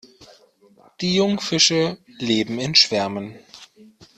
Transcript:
Die Jungfische leben in Schwärmen.